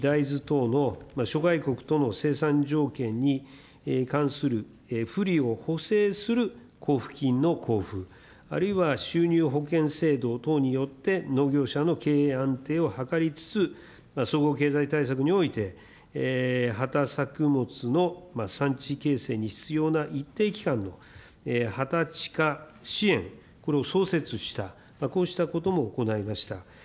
このために、麦、大豆等の諸外国との生産条件に関する不利を補正する交付金の交付、あるいは収入保険制度等によって、農業者の経営安定を図りつつ、総合経済対策において、畑作物の産地形成に必要な一定期間の畑地化支援、これを創設した、こうしたことも行いました。